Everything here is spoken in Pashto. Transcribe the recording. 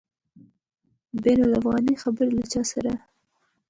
بین الافغاني خبري له چا سره؟